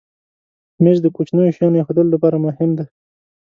مېز د کوچنیو شیانو ایښودلو لپاره مهم دی.